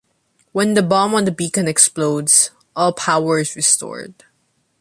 When the bomb on the beacon explodes, all power is restored.